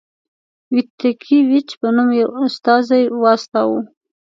ویتکي ویچ په نوم یو استازی واستاوه.